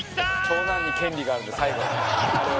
「長男に権利があるんだ最後はね。